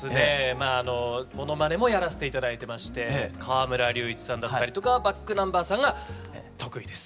まああのものまねもやらせて頂いてまして河村隆一さんだったりとかｂａｃｋｎｕｍｂｅｒさんが得意です。